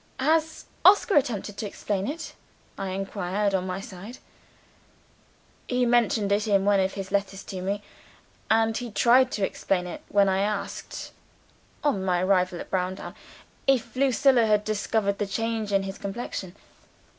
"Has Oscar attempted to explain it?" I inquired on my side. "He mentioned it in one of his letters to me; and he tried to explain it, when I asked (on my arrival at Browndown) if Lucilla had discovered the change in his complexion.